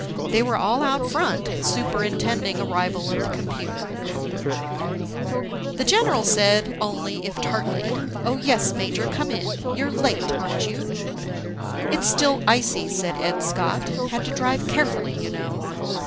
They were all out front superintending arrival of the computer. The general said only, if tartly, "Oh yes, major, come in. You're late, a'n't you?" "It's still icy," said Ed Scott. "Had to drive carefully, you know."